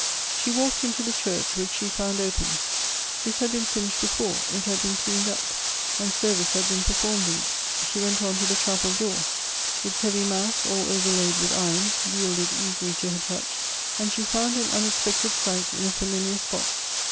She walked into the church, which she found open. This had been finished before ; it had been cleaned up, and service had been performed in it. She went on to the chapel 8 170 Goethe's door; its heavy mass, all overlaid with iron, yielded easily to her touch, and she found an unexpected sight in a familiar spot.